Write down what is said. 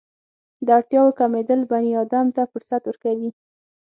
د اړتیاوو کمېدل بني ادم ته فرصت ورکوي.